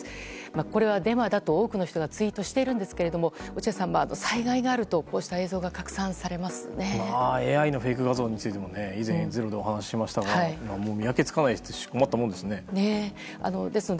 これはデマだと多くの人がツイートしているんですが落合さん、災害があるとこうした映像がＡＩのフェイク画像についても以前「ｚｅｒｏ」でお伝えしましたが見分けがつかないですし困ったものですね。